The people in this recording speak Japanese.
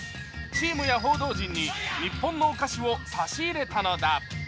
チームや報道陣に日本のお菓子を差し入れたのだ。